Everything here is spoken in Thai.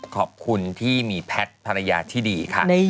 ขอบคุณที่มีแพทย์ภรรยาที่ดีค่ะ